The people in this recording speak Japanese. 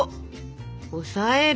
押さえる！